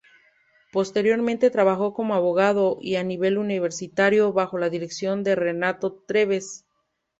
Posteriormente, trabajó como abogado y a nivel universitario bajo la dirección de Renato Treves.